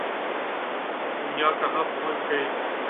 دنیا کہاں پہنچ گئی ہے۔